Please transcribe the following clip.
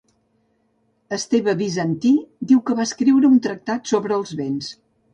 Esteve Bizantí diu que va escriure un tractat sobre els vents.